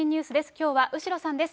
きょうは後呂さんです。